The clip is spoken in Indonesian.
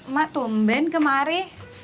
mak tumben kemari